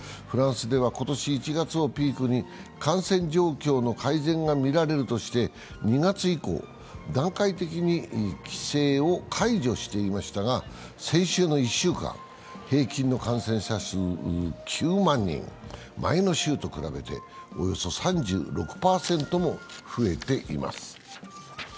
フランスでは今年１月をピークに感染状況の改善が見られるとして２月以降、段階的に規制を解除していましたが、先週の１週間、平均の感染者数９万人、前の週と比べて、およそ３６％も増えています。